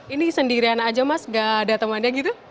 ini sendirian aja mas gak ada temannya gitu